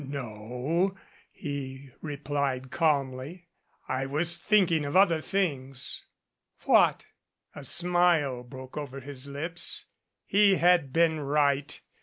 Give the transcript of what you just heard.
"No," he replied calmly. "I was thinking of other things." "What?" A smile broke over his lips. He had been right.